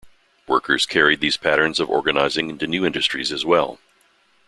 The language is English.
Workers carried these patterns of organizing into new industries as well.